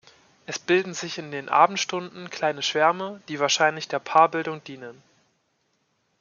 Es bilden sich in den Abendstunden kleine Schwärme, die wahrscheinlich der Paarbildung dienen.